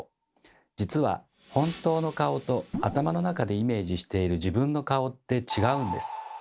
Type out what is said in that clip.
実は本当の顔と頭の中でイメージしている自分の顔って違うんです。